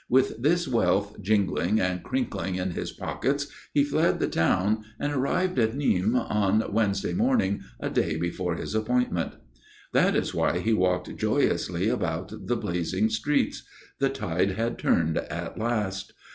With this wealth jingling and crinkling in his pockets he fled the town and arrived at Nîmes on Wednesday morning, a day before his appointment. That was why he walked joyously about the blazing streets. The tide had turned at last.